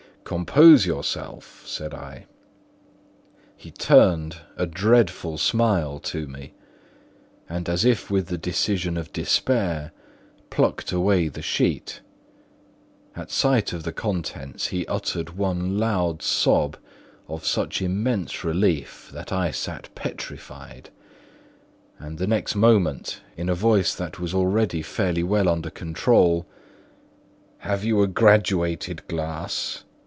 "Compose yourself," said I. He turned a dreadful smile to me, and as if with the decision of despair, plucked away the sheet. At sight of the contents, he uttered one loud sob of such immense relief that I sat petrified. And the next moment, in a voice that was already fairly well under control, "Have you a graduated glass?"